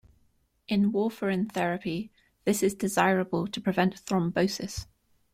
In warfarin therapy, this is desirable to prevent thrombosis.